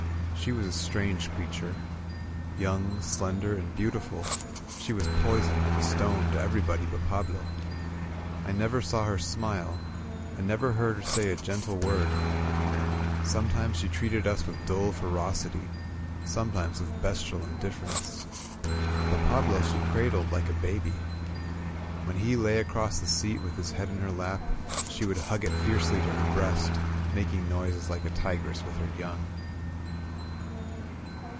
She was a strange creature. Young, slender, and beauti ful, she was poison and a stone to everybody but Pablo. I never saw her smile and never heard her 8^7 A gentle word. Sometimes she treated us with dull ferocity ; sometimes with bestial indifference. But Pablo she cradled like a baby. When he lay across the seat with his head in her lap, she would hug it fiercely to her breast, making noises like a tigress with her young.